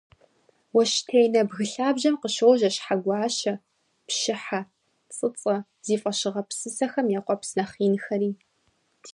Уэщтенэ бгы лъабжьэм къыщожьэ Щхьэгуащэ, Пщыхьэ, ЦӀыцӀэ зи фӀэщыгъэ псыхэм я къуэпс нэхъ инхэри.